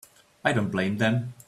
I don't blame them.